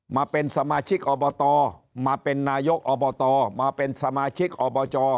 มาเป็นสมาชิกอบตมาเป็นนายกอบตมาเป็นสมาชิกอบจ